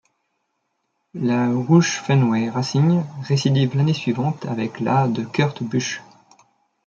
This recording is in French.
La Roush Fenway Racing récidive l'année suivante avec la de Kurt Busch.